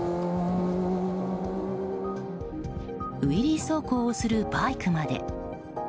ウィリー走行するバイクまで。